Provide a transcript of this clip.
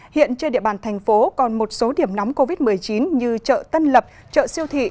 hiện trên địa bàn thành phố còn một số điểm nóng covid một mươi chín như chợ tân lập chợ siêu thị